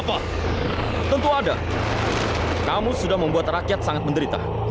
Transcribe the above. adikku bukas alat ini